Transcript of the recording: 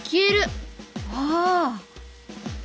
ああ。